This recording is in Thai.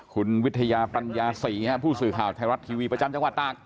คุณวิทยาปัญญาศรีผู้สื่อข่าวไทยรัฐทีวีประจำจังหวัดตาก